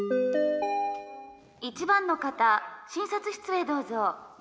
「１番の方診察室へどうぞ」。